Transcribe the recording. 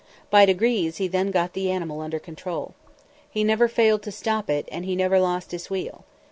By degrees he then got the animal under control. He never failed to stop it, and he never lost his wheel.